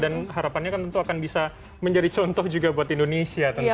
dan harapannya kan tentu akan bisa menjadi contoh juga buat indonesia tentunya